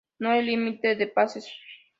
No hay límite de pases.